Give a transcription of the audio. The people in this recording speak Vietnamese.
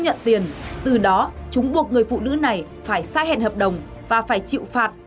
những người vay không nhận tiền từ đó chúng buộc người phụ nữ này phải sai hẹn hợp đồng và phải chịu phạt